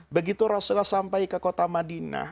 begitu rasulullah sampai ke kota madinah